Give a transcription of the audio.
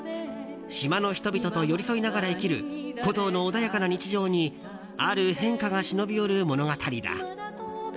島の人々と寄り添いながら生きるコトーの穏やかな日常にある変化が忍び寄る物語だ。